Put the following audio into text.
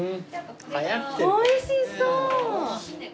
おいしそう！